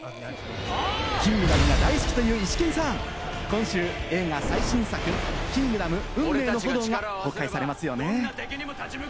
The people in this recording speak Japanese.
『キングダム』が大好きというイシケンさん、今週、映画最新作『キングダム運命の炎』が公開されますよね。